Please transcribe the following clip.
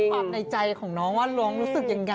ความในใจของน้องว่าน้องรู้สึกยังไง